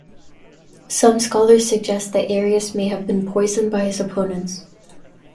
Some scholars suggest that Arius may have been poisoned by his opponents.